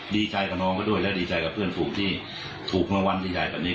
ดีใจกับน้องเขาด้วยและดีใจกับเพื่อนถูกที่ถูกเมื่อวันดีใจกับนี้